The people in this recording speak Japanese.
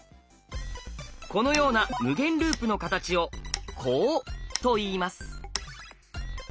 このような無限ループの形を「コウ」と言います。